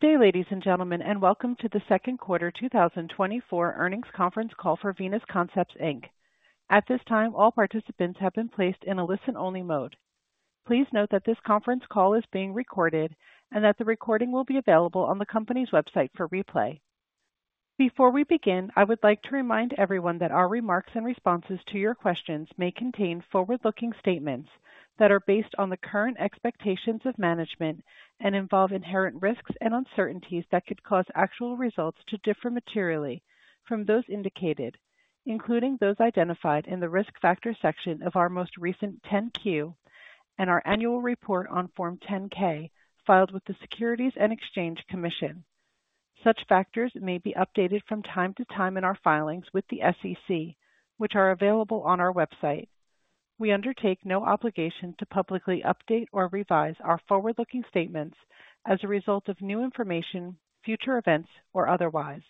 Good day, ladies and gentlemen, and welcome to the second quarter 2024 earnings conference call for Venus Concept Inc. At this time, all participants have been placed in a listen-only mode. Please note that this conference call is being recorded and that the recording will be available on the company's website for replay. Before we begin, I would like to remind everyone that our remarks and responses to your questions may contain forward-looking statements that are based on the current expectations of management and involve inherent risks and uncertainties that could cause actual results to differ materially from those indicated, including those identified in the Risk Factors section of our most recent 10-Q and our annual report on Form 10-K, filed with the Securities and Exchange Commission. Such factors may be updated from time to time in our filings with the SEC, which are available on our website. We undertake no obligation to publicly update or revise our forward-looking statements as a result of new information, future events, or otherwise.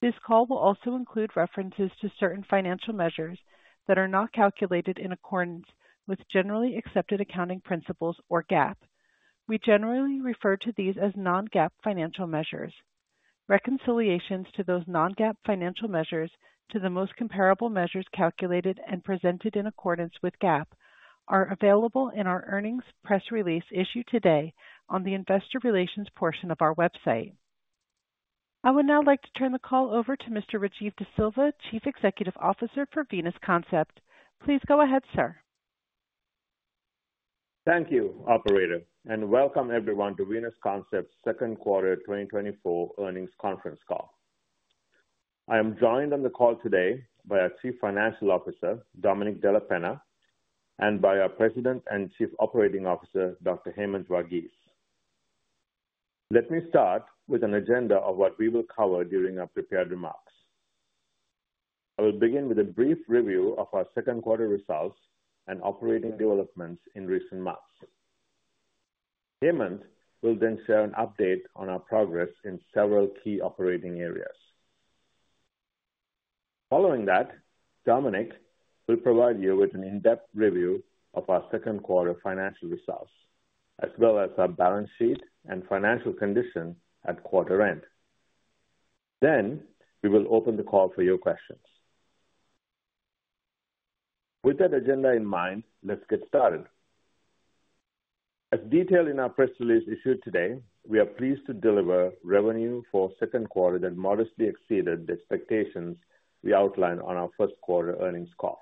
This call will also include references to certain financial measures that are not calculated in accordance with generally accepted accounting principles or GAAP. We generally refer to these as non-GAAP financial measures. Reconciliations to those non-GAAP financial measures to the most comparable measures calculated and presented in accordance with GAAP are available in our earnings press release issued today on the investor relations portion of our website. I would now like to turn the call over to Mr. Rajiv Desilva, Chief Executive Officer for Venus Concept. Please go ahead, sir. Thank you, operator, and welcome everyone to Venus Concept's second quarter 2024 earnings conference call. I am joined on the call today by our Chief Financial Officer, Dominic Della Penna, and by our President and Chief Operating Officer, Dr. Hemanth Varghese. Let me start with an agenda of what we will cover during our prepared remarks. I will begin with a brief review of our second quarter results and operating developments in recent months. Hemanth will then share an update on our progress in several key operating areas. Following that, Dominic will provide you with an in-depth review of our second quarter financial results, as well as our balance sheet and financial condition at quarter end. Then we will open the call for your questions. With that agenda in mind, let's get started. As detailed in our press release issued today, we are pleased to deliver revenue for second quarter that modestly exceeded the expectations we outlined on our first quarter earnings call.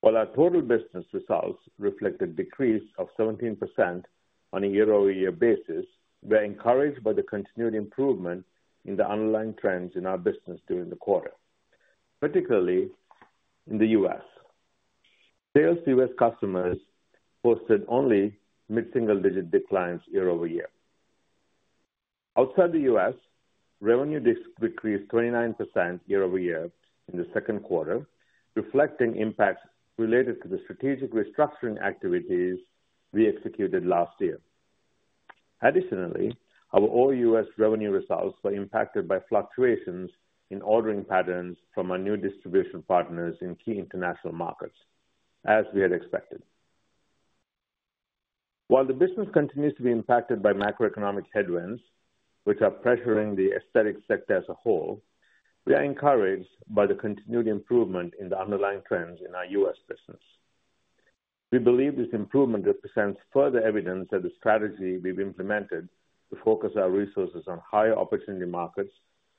While our total business results reflected decrease of 17% on a year-over-year basis, we are encouraged by the continued improvement in the underlying trends in our business during the quarter, particularly in the US. Sales to US customers posted only mid-single-digit declines year-over-year. Outside the US, revenue decreased 29% year-over-year in the second quarter, reflecting impacts related to the strategic restructuring activities we executed last year. Additionally, our non-US revenue results were impacted by fluctuations in ordering patterns from our new distribution partners in key international markets, as we had expected. While the business continues to be impacted by macroeconomic headwinds, which are pressuring the aesthetic sector as a whole, we are encouraged by the continued improvement in the underlying trends in our U.S. business. We believe this improvement represents further evidence that the strategy we've implemented to focus our resources on higher opportunity markets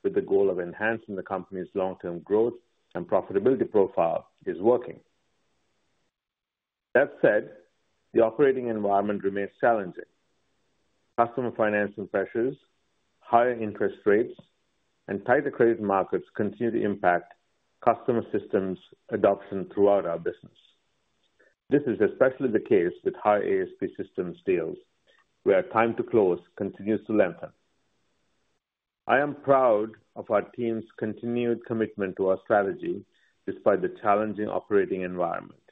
with the goal of enhancing the company's long-term growth and profitability profile is working. That said, the operating environment remains challenging. Customer financing pressures, higher interest rates, and tighter credit markets continue to impact customer systems adoption throughout our business. This is especially the case with high ASP systems deals, where time to close continues to lengthen. I am proud of our team's continued commitment to our strategy despite the challenging operating environment.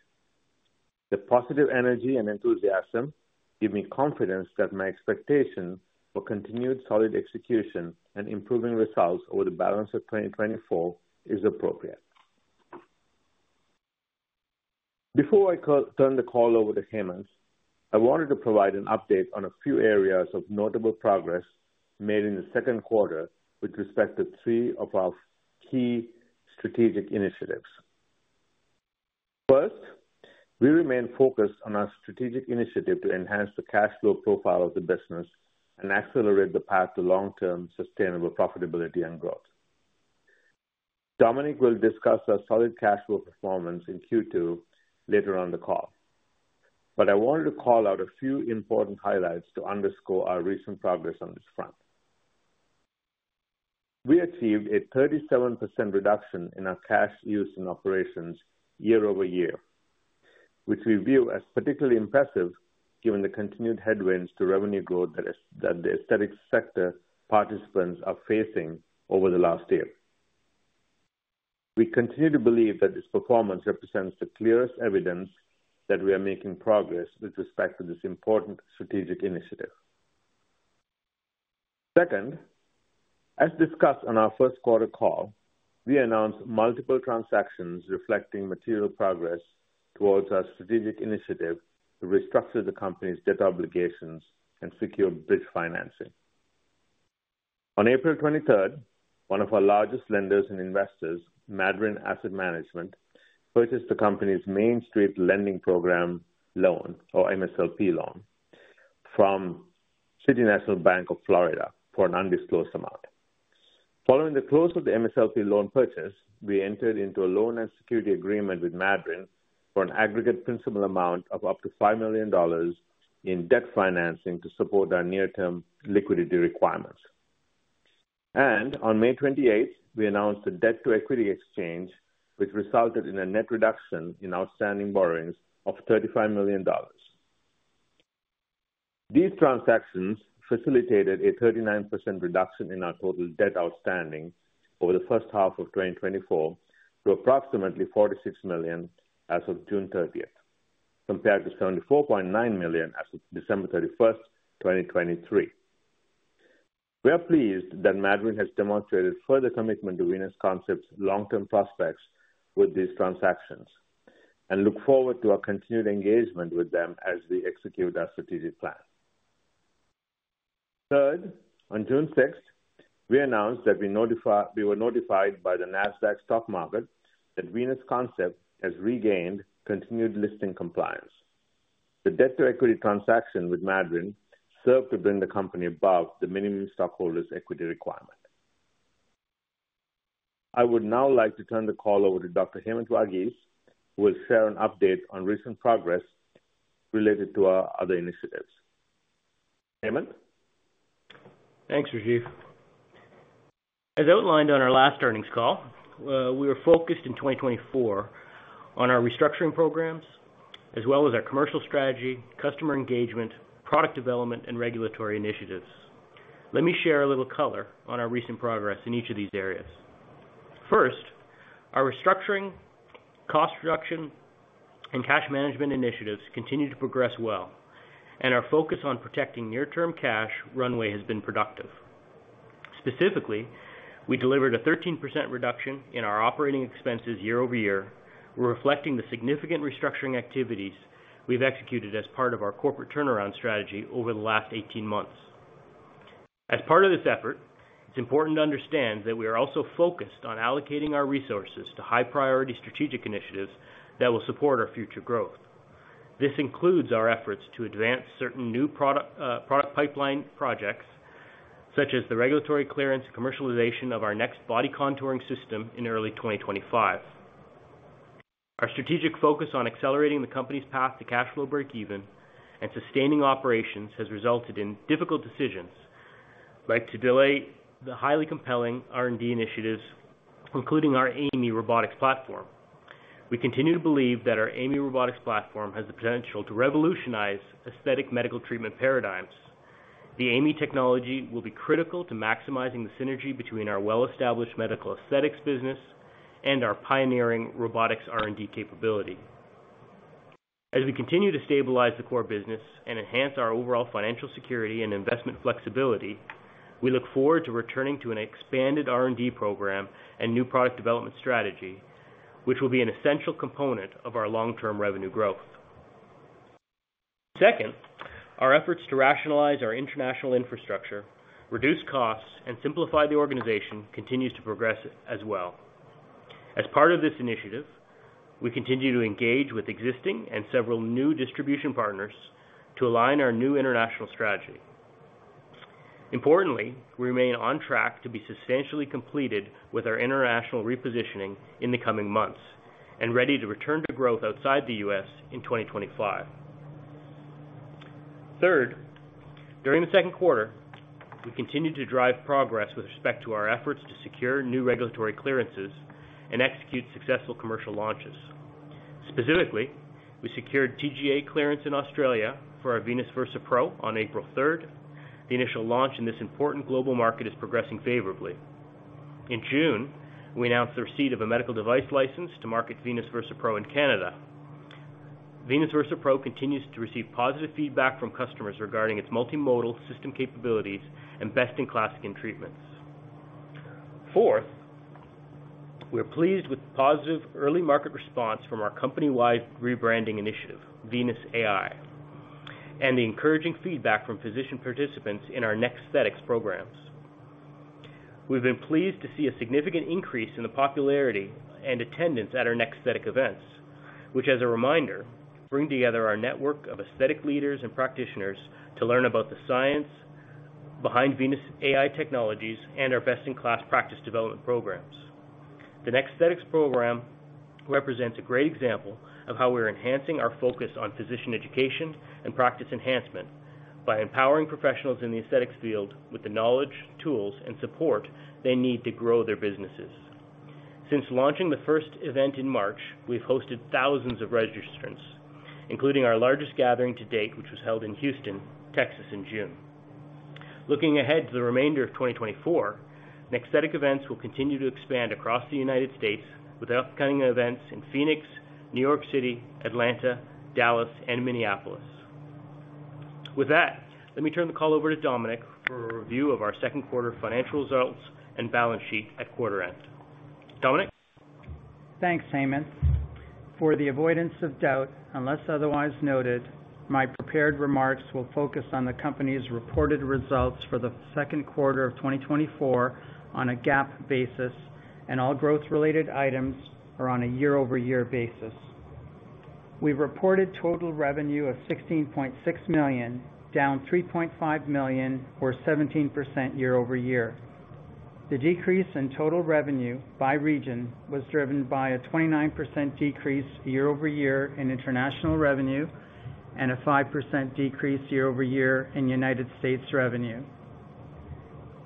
The positive energy and enthusiasm give me confidence that my expectation for continued solid execution and improving results over the balance of 2024 is appropriate. Before I turn the call over to Hemanth, I wanted to provide an update on a few areas of notable progress made in the second quarter with respect to three of our key strategic initiatives. First, we remain focused on our strategic initiative to enhance the cash flow profile of the business and accelerate the path to long-term sustainable profitability and growth. Dominic will discuss our solid cash flow performance in Q2 later on the call, but I wanted to call out a few important highlights to underscore our recent progress on this front. We achieved a 37% reduction in our cash use and operations year-over-year, which we view as particularly impressive given the continued headwinds to revenue growth that that the aesthetic sector participants are facing over the last year. We continue to believe that this performance represents the clearest evidence that we are making progress with respect to this important strategic initiative. As discussed on our first quarter call, we announced multiple transactions reflecting material progress towards our strategic initiative to restructure the company's debt obligations and secure bridge financing. On April twenty-third, one of our largest lenders and investors, Madryn Asset Management, purchased the company's Main Street Lending Program loan, or MSLP loan, from City National Bank of Florida for an undisclosed amount. Following the close of the MSLP loan purchase, we entered into a loan and security agreement with Madryn for an aggregate principal amount of up to $5 million in debt financing to support our near-term liquidity requirements. On May 28, we announced a debt-to-equity exchange, which resulted in a net reduction in outstanding borrowings of $35 million. These transactions facilitated a 39% reduction in our total debt outstanding over the first half of 2024, to approximately $46 million as of June 30, compared to $74.9 million as of December 31, 2023. We are pleased that Madryn has demonstrated further commitment to Venus Concept's long-term prospects with these transactions, and look forward to our continued engagement with them as we execute our strategic plan. Third, on June sixth, we announced that we were notified by the Nasdaq Stock Market that Venus Concept has regained continued listing compliance. The debt-to-equity transaction with Madryn served to bring the company above the minimum stockholders' equity requirement. I would now like to turn the call over to Dr. Hemanth Varghese, who will share an update on recent progress related to our other initiatives. Hemant? Thanks, Rajiv. As outlined on our last earnings call, we are focused in 2024 on our restructuring programs, as well as our commercial strategy, customer engagement, product development, and regulatory initiatives. Let me share a little color on our recent progress in each of these areas. First, our restructuring, cost reduction, and cash management initiatives continue to progress well, and our focus on protecting near-term cash runway has been productive. Specifically, we delivered a 13% reduction in our operating expenses year-over-year. We're reflecting the significant restructuring activities we've executed as part of our corporate turnaround strategy over the last 18 months. As part of this effort, it's important to understand that we are also focused on allocating our resources to high-priority strategic initiatives that will support our future growth. This includes our efforts to advance certain new product, product pipeline projects, such as the regulatory clearance and commercialization of our next body contouring system in early 2025. Our strategic focus on accelerating the company's path to cash flow breakeven and sustaining operations has resulted in difficult decisions, like to delay the highly compelling R&D initiatives, including our AI.ME robotics platform. We continue to believe that our AI.ME robotics platform has the potential to revolutionize aesthetic medical treatment paradigms. The AI.ME technology will be critical to maximizing the synergy between our well-established medical aesthetics business and our pioneering robotics R&D capability. As we continue to stabilize the core business and enhance our overall financial security and investment flexibility, we look forward to returning to an expanded R&D program and new product development strategy, which will be an essential component of our long-term revenue growth. Second, our efforts to rationalize our international infrastructure, reduce costs, and simplify the organization continues to progress as well. As part of this initiative, we continue to engage with existing and several new distribution partners to align our new international strategy. Importantly, we remain on track to be substantially completed with our international repositioning in the coming months and ready to return to growth outside the US in 2025. Third, during the second quarter, we continued to drive progress with respect to our efforts to secure new regulatory clearances and execute successful commercial launches. Specifically, we secured TGA clearance in Australia for our Venus Versa Pro on April third. The initial launch in this important global market is progressing favorably. In June, we announced the receipt of a medical device license to market Venus Versa Pro in Canada. Venus Versa Pro continues to receive positive feedback from customers regarding its multimodal system capabilities and best-in-class in treatments. Fourth, we're pleased with the positive early market response from our company-wide rebranding initiative, Venus AI, and the encouraging feedback from physician participants in our NEXThetics programs. We've been pleased to see a significant increase in the popularity and attendance at our NEXThetics events, which, as a reminder, bring together our network of aesthetic leaders and practitioners to learn about the science behind Venus AI technologies and our best-in-class practice development programs. The NEXThetics program represents a great example of how we're enhancing our focus on physician education and practice enhancement by empowering professionals in the aesthetics field with the knowledge, tools, and support they need to grow their businesses. Since launching the first event in March, we've hosted thousands of registrants, including our largest gathering to date, which was held in Houston, Texas, in June. Looking ahead to the remainder of 2024, NEXThetics events will continue to expand across the United States with upcoming events in Phoenix, New York City, Atlanta, Dallas, and Minneapolis. With that, let me turn the call over to Dominic for a review of our second quarter financial results and balance sheet at quarter end. Dominic? Thanks, Hemanth. For the avoidance of doubt, unless otherwise noted, my prepared remarks will focus on the company's reported results for the second quarter of 2024 on a GAAP basis, and all growth-related items are on a year-over-year basis. We reported total revenue of $16.6 million, down $3.5 million, or 17% year-over-year. The decrease in total revenue by region was driven by a 29% decrease year-over-year in international revenue and a 5% decrease year-over-year in United States revenue.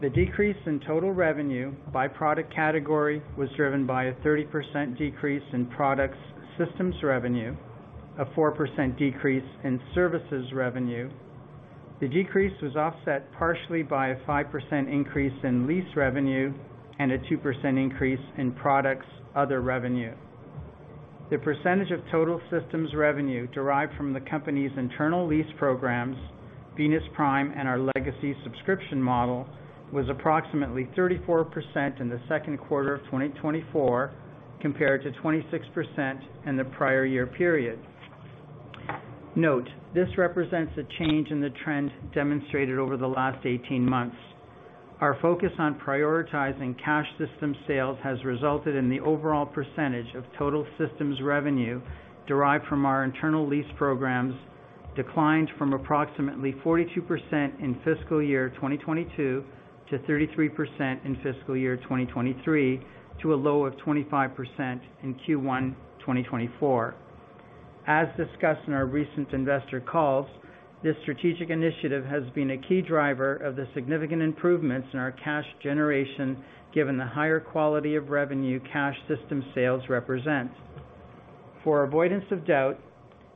The decrease in total revenue by product category was driven by a 30% decrease in products systems revenue, a 4% decrease in services revenue. The decrease was offset partially by a 5% increase in lease revenue and a 2% increase in products other revenue. The percentage of total systems revenue derived from the company's internal lease programs, Venus Prime, and our legacy subscription model, was approximately 34% in the second quarter of 2024, compared to 26% in the prior year period. Note, this represents a change in the trend demonstrated over the last 18 months. Our focus on prioritizing cash system sales has resulted in the overall percentage of total systems revenue derived from our internal lease programs, declined from approximately 42% in fiscal year 2022 to 33% in fiscal year 2023, to a low of 25% in Q1 2024. As discussed in our recent investor calls, this strategic initiative has been a key driver of the significant improvements in our cash generation, given the higher quality of revenue cash system sales represent. For avoidance of doubt,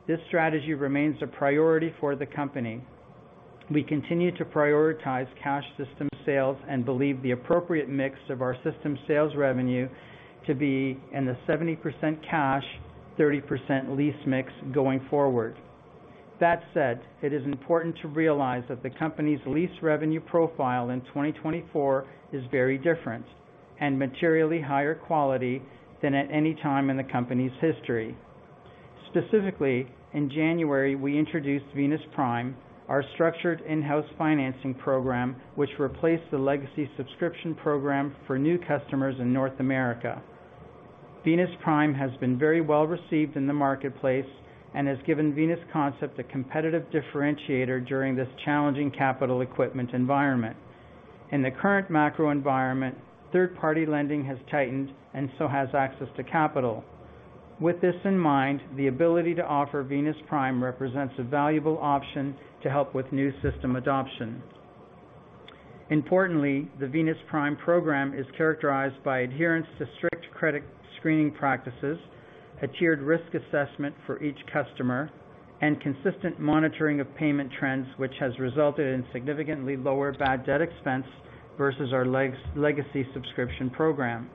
this strategy remains a priority for the company. We continue to prioritize cash system sales and believe the appropriate mix of our system sales revenue to be in the 70% cash, 30% lease mix going forward. That said, it is important to realize that the company's lease revenue profile in 2024 is very different and materially higher quality than at any time in the company's history. Specifically, in January, we introduced Venus Prime, our structured in-house financing program, which replaced the legacy subscription program for new customers in North America. Venus Prime has been very well-received in the marketplace and has given Venus Concept a competitive differentiator during this challenging capital equipment environment. In the current macro environment, third-party lending has tightened and so has access to capital. With this in mind, the ability to offer Venus Prime represents a valuable option to help with new system adoption. Importantly, the Venus Prime program is characterized by adherence to strict credit screening practices, a tiered risk assessment for each customer, and consistent monitoring of payment trends, which has resulted in significantly lower bad debt expense versus our legacy subscription program.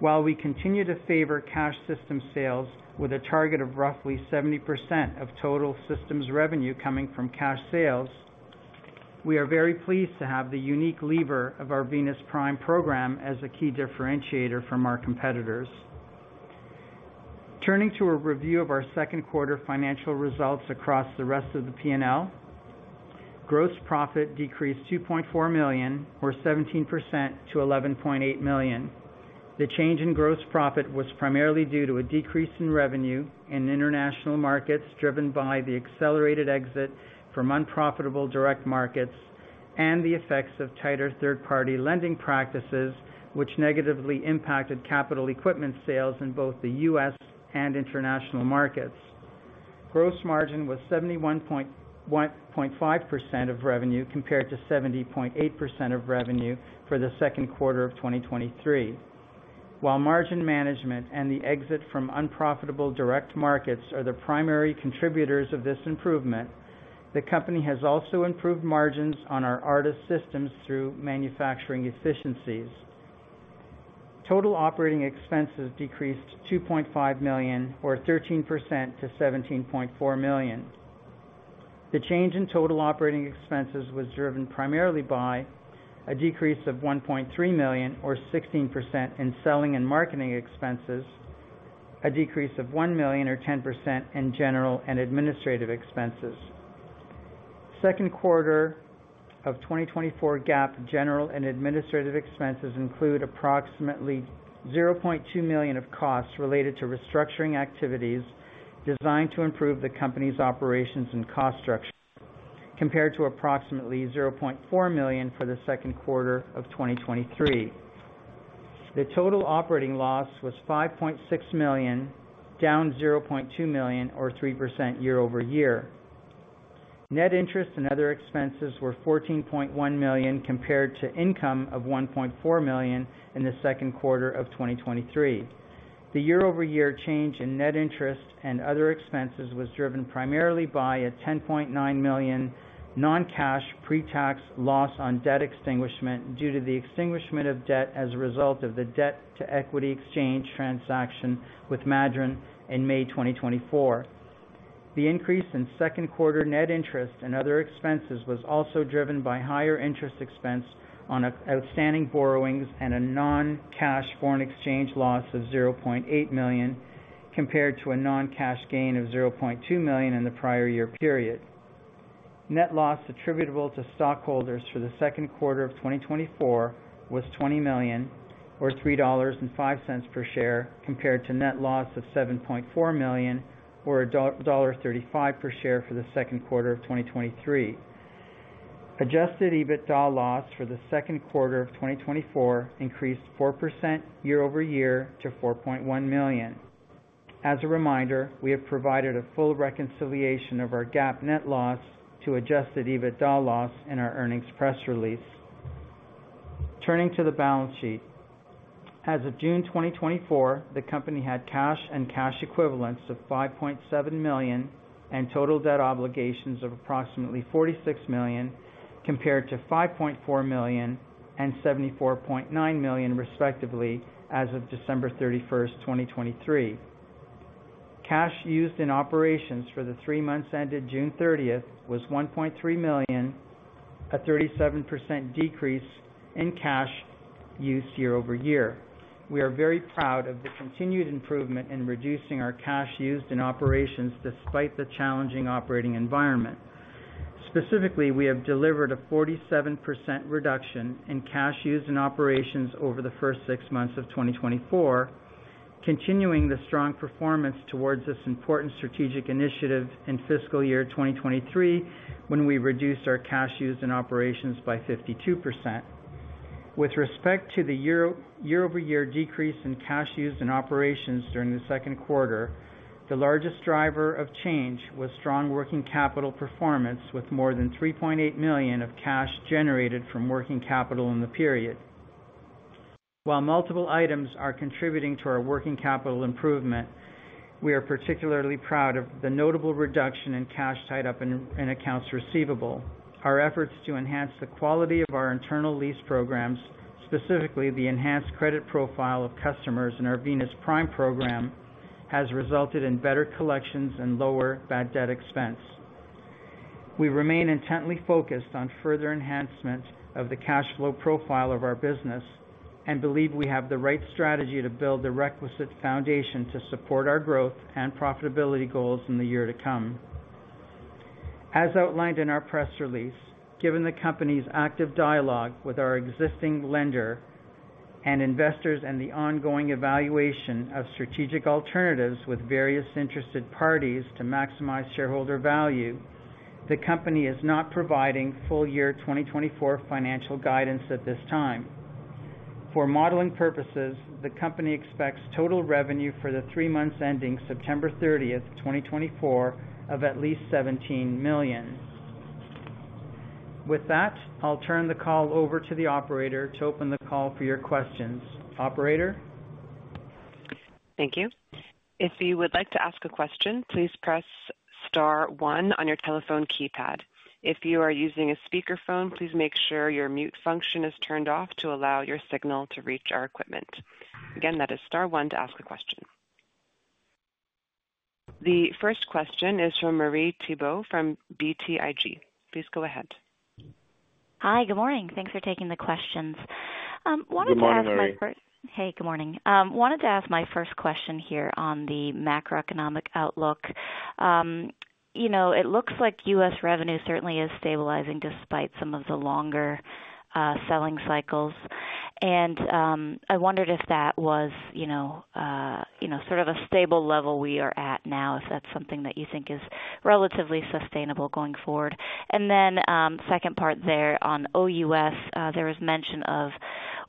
While we continue to favor cash system sales with a target of roughly 70% of total systems revenue coming from cash sales, we are very pleased to have the unique lever of our Venus Prime program as a key differentiator from our competitors. Turning to a review of our second quarter financial results across the rest of the PNL. Gross profit decreased $2.4 million, or 17% to $11.8 million. The change in gross profit was primarily due to a decrease in revenue in international markets, driven by the accelerated exit from unprofitable direct markets and the effects of tighter third-party lending practices, which negatively impacted capital equipment sales in both the US and international markets. Gross margin was 71.15% of revenue, compared to 70.8% of revenue for the second quarter of 2023. While margin management and the exit from unprofitable direct markets are the primary contributors of this improvement, the company has also improved margins on our artist systems through manufacturing efficiencies. Total operating expenses decreased $2.5 million, or 13%, to $17.4 million. The change in total operating expenses was driven primarily by a decrease of $1.3 million, or 16% in selling and marketing expenses, a decrease of $1 million or 10% in general and administrative expenses. Second quarter of 2024 GAAP general and administrative expenses include approximately $0.2 million of costs related to restructuring activities designed to improve the company's operations and cost structure, compared to approximately $0.4 million for the second quarter of 2023. The total operating loss was $5.6 million, down $0.2 million, or 3% year-over-year. Net interest and other expenses were $14.1 million compared to income of $1.4 million in the second quarter of 2023. The year-over-year change in net interest and other expenses was driven primarily by a $10.9 million non-cash pre-tax loss on debt extinguishment due to the extinguishment of debt as a result of the debt-to-equity exchange transaction with Madryn in May 2024. The increase in second quarter net interest and other expenses was also driven by higher interest expense on outstanding borrowings and a non-cash foreign exchange loss of $0.8 million, compared to a non-cash gain of $0.2 million in the prior year period. Net loss attributable to stockholders for the second quarter of 2024 was $20 million, or $3.05 per share, compared to net loss of $7.4 million, or a dollar thirty-five per share for the second quarter of 2023. Adjusted EBITDA loss for the second quarter of 2024 increased 4% year-over-year to $4.1 million. As a reminder, we have provided a full reconciliation of our GAAP net loss to adjusted EBITDA loss in our earnings press release. Turning to the balance sheet. As of June 2024, the company had cash and cash equivalents of $5.7 million, and total debt obligations of approximately $46 million, compared to $5.4 million and $74.9 million, respectively, as of December 31, 2023. Cash used in operations for the three months ended June 30 was $1.3 million, a 37% decrease in cash use year-over-year. We are very proud of the continued improvement in reducing our cash used in operations despite the challenging operating environment. Specifically, we have delivered a 47% reduction in cash used in operations over the first six months of 2024, continuing the strong performance towards this important strategic initiative in fiscal year 2023, when we reduced our cash used in operations by 52%. With respect to the year-over-year decrease in cash used in operations during the second quarter, the largest driver of change was strong working capital performance, with more than $3.8 million of cash generated from working capital in the period. While multiple items are contributing to our working capital improvement, we are particularly proud of the notable reduction in cash tied up in accounts receivable. Our efforts to enhance the quality of our internal lease programs, specifically the enhanced credit profile of customers in our Venus Prime program, has resulted in better collections and lower bad debt expense. We remain intently focused on further enhancement of the cash flow profile of our business and believe we have the right strategy to build the requisite foundation to support our growth and profitability goals in the year to come. As outlined in our press release, given the company's active dialogue with our existing lender and investors, and the ongoing evaluation of strategic alternatives with various interested parties to maximize shareholder value, the company is not providing full year 2024 financial guidance at this time. For modeling purposes, the company expects total revenue for the three months ending September 30, 2024, of at least $17 million. With that, I'll turn the call over to the operator to open the call for your questions. Operator? Thank you. If you would like to ask a question, please press star one on your telephone keypad. If you are using a speakerphone, please make sure your mute function is turned off to allow your signal to reach our equipment. Again, that is star one to ask a question. The first question is from Marie Thibault, from BTIG. Please go ahead. Hi, good morning. Thanks for taking the questions. Wanted to ask my first- Good morning, Marie. Hey, good morning. Wanted to ask my first question here on the macroeconomic outlook. You know, it looks like U.S. revenue certainly is stabilizing despite some of the longer selling cycles. And I wondered if that was, you know, you know, sort of a stable level we are at now. If that's something that you think is relatively sustainable going forward? And then, second part there on OUS, there was mention of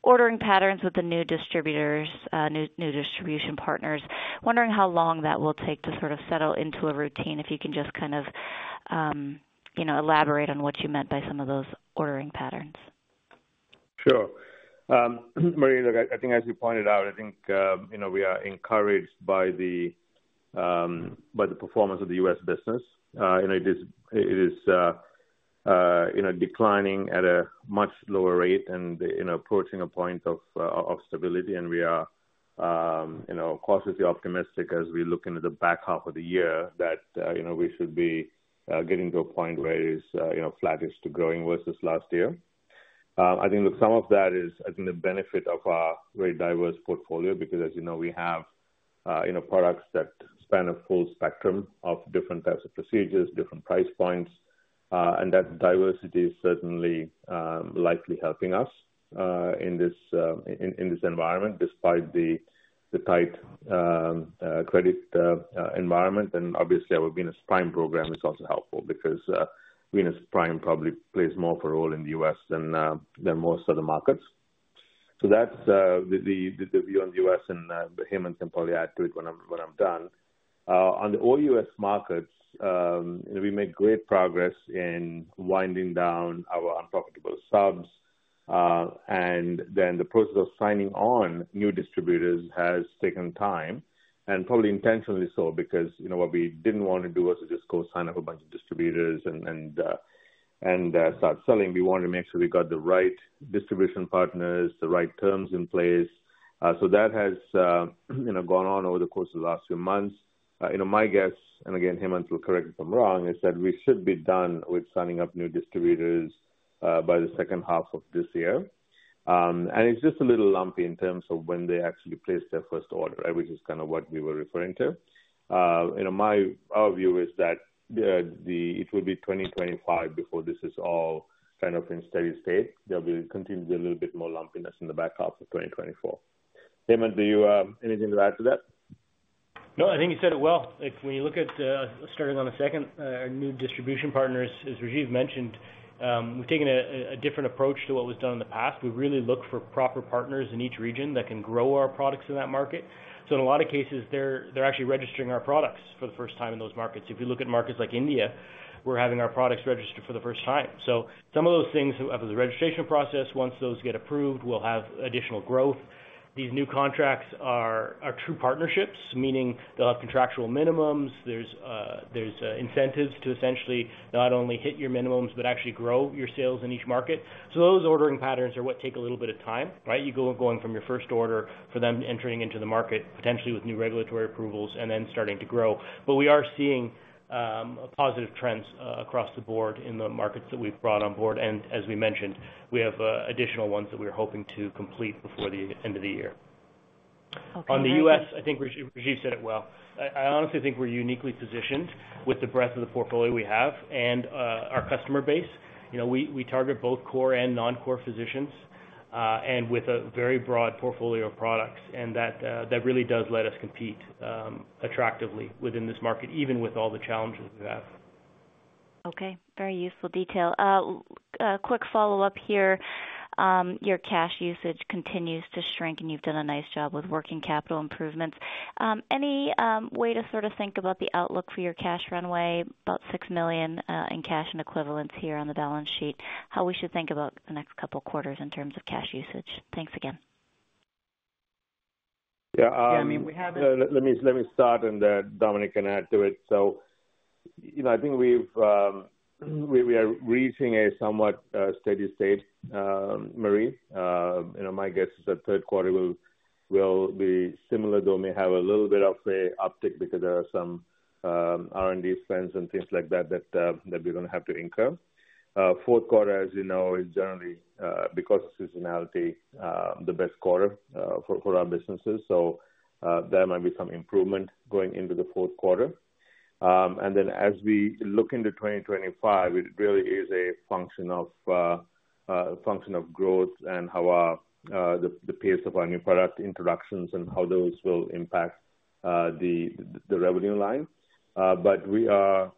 ordering patterns with the new distributors, new, new distribution partners. Wondering how long that will take to sort of settle into a routine, if you can just kind of, you know, elaborate on what you meant by some of those ordering patterns. Sure. Marie, look, I think as you pointed out, I think, you know, we are encouraged by the performance of the US business. And it is, you know, declining at a much lower rate and, you know, approaching a point of stability. And we are, you know, cautiously optimistic as we look into the back half of the year, that, you know, we should be getting to a point where it is, you know, flattish to growing versus last year. I think that some of that is, I think, the benefit of our very diverse portfolio, because as you know, we have, you know, products that span a full spectrum of different types of procedures, different price points, and that diversity is certainly likely helping us in this environment, despite the tight credit environment. And obviously, our Venus Prime program is also helpful, because Venus Prime probably plays more of a role in the US than most other markets. So that's the view on the US and Hemanth and I'll add to it when I'm done. On the OUS markets, we made great progress in winding down our unprofitable subs. And then the process of signing on new distributors has taken time, and probably intentionally so, because, you know, what we didn't want to do was to just go sign up a bunch of distributors and start selling. We wanted to make sure we got the right distribution partners, the right terms in place. So that has, you know, gone on over the course of the last few months. You know, my guess, and again, Hemanth will correct me if I'm wrong, is that we should be done with signing up new distributors, by the second half of this year. And it's just a little lumpy in terms of when they actually place their first order, which is kinda what we were referring to. You know, my-- our view is that the, the-- it will be 2025 before this is all kind of in steady state. There will continue to be a little bit more lumpiness in the back half of 2024. Hemanth, do you have anything to add to that? No, I think you said it well. When you look at starting on the second, our new distribution partners, as Rajiv mentioned, we've taken a different approach to what was done in the past. We've really looked for proper partners in each region that can grow our products in that market. So in a lot of cases, they're actually registering our products for the first time in those markets. If you look at markets like India, we're having our products registered for the first time. So some of those things, of the registration process, once those get approved, we'll have additional growth. These new contracts are true partnerships, meaning they'll have contractual minimums. There's incentives to essentially not only hit your minimums, but actually grow your sales in each market. So those ordering patterns are what take a little bit of time, right? Going from your first order for them entering into the market, potentially with new regulatory approvals and then starting to grow. But we are seeing positive trends across the board in the markets that we've brought on board, and as we mentioned, we have additional ones that we're hoping to complete before the end of the year. Okay, and I- On the U.S., I think Rajiv, Rajiv said it well. I, I honestly think we're uniquely positioned with the breadth of the portfolio we have and, our customer base. You know, we, we target both core and non-core physicians, and with a very broad portfolio of products, and that, that really does let us compete, attractively within this market, even with all the challenges we have. Okay, very useful detail. A quick follow-up here. Your cash usage continues to shrink, and you've done a nice job with working capital improvements. Any way to sort of think about the outlook for your cash runway, about $6 million in cash and equivalents here on the balance sheet, how we should think about the next couple of quarters in terms of cash usage? Thanks again. Yeah, um- Yeah, I mean, we have it- Let me start, and Dominic can add to it. So, you know, I think we are reaching a somewhat steady state, Marie. You know, my guess is that third quarter will be similar, though it may have a little bit of an uptick because there are some R&D spends and things like that that we're gonna have to incur. Fourth quarter, as you know, is generally because of seasonality the best quarter for our businesses. So, there might be some improvement going into the fourth quarter. And then as we look into 2025, it really is a function of growth and how the pace of our new product introductions and how those will impact the revenue line. But we are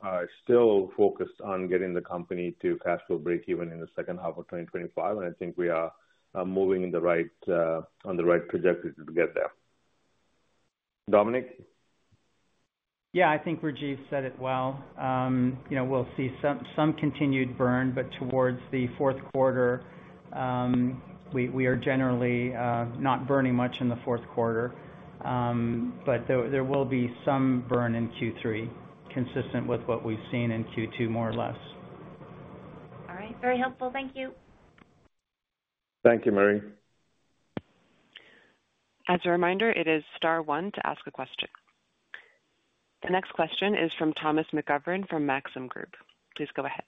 still focused on getting the company to cash flow breakeven in the second half of 2025, and I think we are moving on the right trajectory to get there. Dominic? Yeah, I think Rajiv said it well. You know, we'll see some continued burn, but towards the fourth quarter, we are generally not burning much in the fourth quarter. But there will be some burn in Q3, consistent with what we've seen in Q2, more or less. All right. Very helpful. Thank you. Thank you, Marie. As a reminder, it is star one to ask a question. The next question is from Thomas McGovern from Maxim Group. Please go ahead.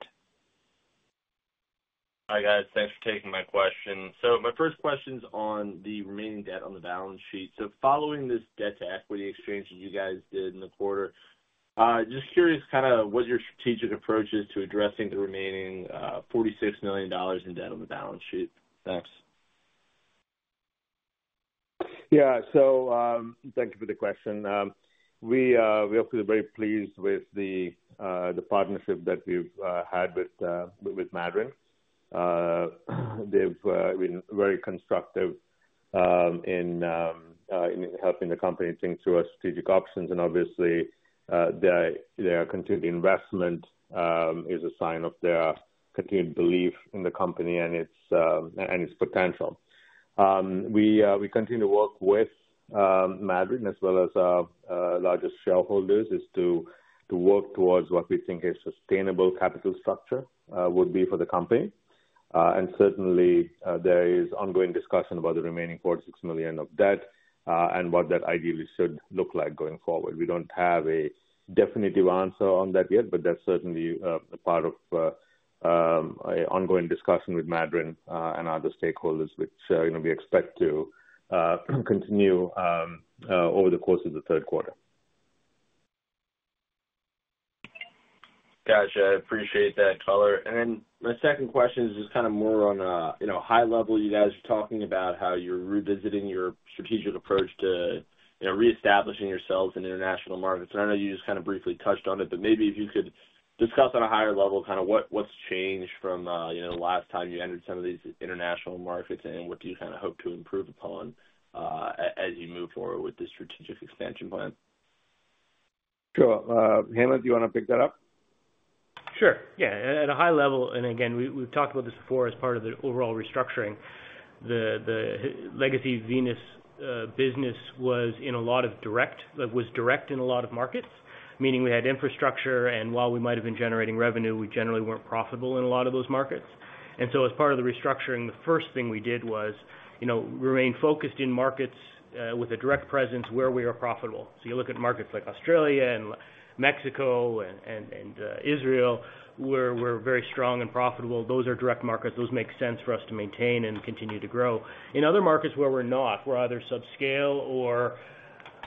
Hi, guys. Thanks for taking my question. So my first question's on the remaining debt on the balance sheet. So following this debt-to-equity exchange that you guys did in the quarter, just curious, kinda, what your strategic approach is to addressing the remaining $46 million in debt on the balance sheet? Thanks. Yeah. So, thank you for the question. We are obviously very pleased with the partnership that we've had with Madryn. They've been very constructive in helping the company think through our strategic options, and obviously, their continued investment is a sign of their continued belief in the company and its potential. We continue to work with Madryn as well as our largest shareholders, is to work towards what we think a sustainable capital structure would be for the company. And certainly, there is ongoing discussion about the remaining $46 million of debt, and what that ideally should look like going forward. We don't have a definitive answer on that yet, but that's certainly a part of an ongoing discussion with Madryn and other stakeholders, which you know we expect to continue over the course of the third quarter. Gotcha. I appreciate that color. And then my second question is just kinda more on, you know, high level. You guys are talking about how you're revisiting your strategic approach to, you know, reestablishing yourselves in international markets. And I know you just kinda briefly touched on it, but maybe if you could discuss on a higher level, kinda what, what's changed from, you know, the last time you entered some of these international markets, and what do you kinda hope to improve upon, as you move forward with the strategic expansion plan? Sure. Hemanth, do you wanna pick that up? Sure, yeah. At a high level, and again, we've talked about this before as part of the overall restructuring, the legacy Venus business was direct in a lot of markets, meaning we had infrastructure, and while we might have been generating revenue, we generally weren't profitable in a lot of those markets. So as part of the restructuring, the first thing we did was, you know, remain focused in markets with a direct presence where we are profitable. You look at markets like Australia and Mexico and Israel, where we're very strong and profitable. Those are direct markets. Those make sense for us to maintain and continue to grow. In other markets where we're not, we're either subscale or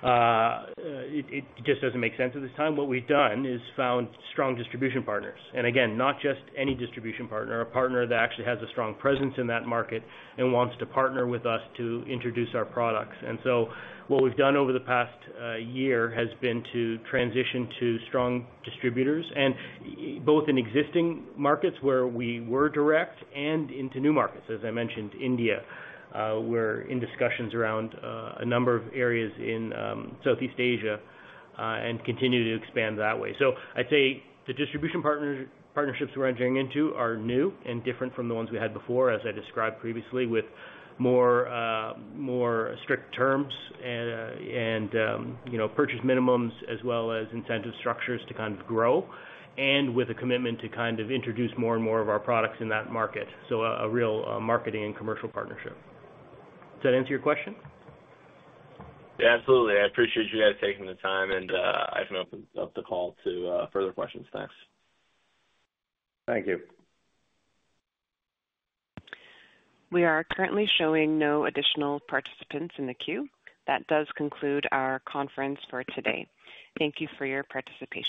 it just doesn't make sense at this time. What we've done is found strong distribution partners. And again, not just any distribution partner, a partner that actually has a strong presence in that market and wants to partner with us to introduce our products. And so what we've done over the past year has been to transition to strong distributors and both in existing markets where we were direct and into new markets. As I mentioned, India. We're in discussions around a number of areas in Southeast Asia and continue to expand that way. So I'd say the partnerships we're entering into are new and different from the ones we had before, as I described previously, with more, more strict terms, and, you know, purchase minimums, as well as incentive structures to kind of grow, and with a commitment to kind of introduce more and more of our products in that market, so a real marketing and commercial partnership. Does that answer your question? Yeah, absolutely. I appreciate you guys taking the time, and I can open up the call to further questions. Thanks. Thank you. We are currently showing no additional participants in the queue. That does conclude our conference for today. Thank you for your participation.